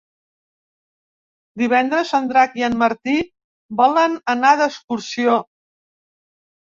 Divendres en Drac i en Martí volen anar d'excursió.